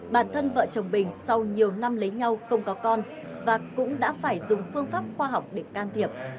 bản thân vợ chồng bình sau nhiều năm lấy nhau không có con và cũng đã phải dùng phương pháp khoa học để can thiệp